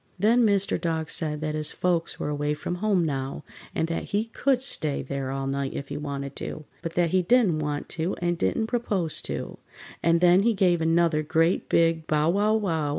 Then Mr. Dog said that his folks were away from home now, and that he could stay there all night if he wanted to, but that he didn't want to and didn't propose to, and then he gave another great big bow wow wow!